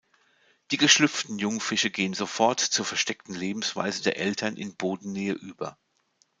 Die geschlüpften Jungfische gehen sofort zur versteckten Lebensweise der Eltern in Bodennähe über.